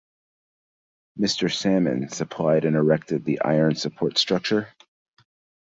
Mr Salmon, supplied and erected the iron support structure.